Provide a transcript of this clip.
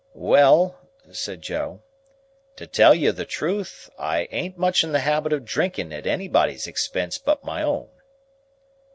"Well," said Joe, "to tell you the truth, I ain't much in the habit of drinking at anybody's expense but my own."